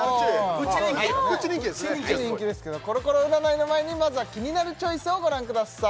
プッチ人気がすごいコロコロ占いの前にまずは「キニナルチョイス」をご覧ください